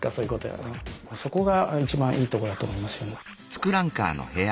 そこが一番いいとこだと思います。